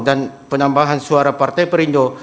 dan penambahan suara partai perindo